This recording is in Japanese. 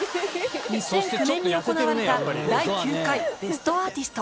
２００９年に行われた第９回『ベストアーティスト』